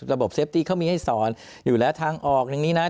เซฟตี้เขามีให้สอนอยู่แล้วทางออกอย่างนี้นะ